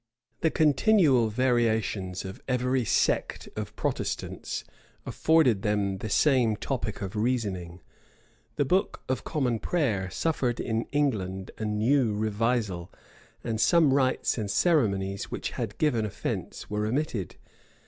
The continual variations of every sect of Protestants afforded them the same topic of reasoning. The book of common prayer suffered in England a new revisal, and some rites and ceremonies which had given offence were omitted.